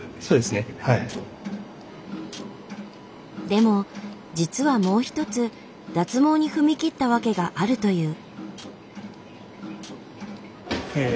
でも実はもう一つ脱毛に踏み切った訳があるという。え。